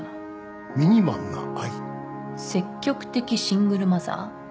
積極的シングルマザー